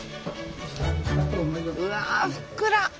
うわふっくら。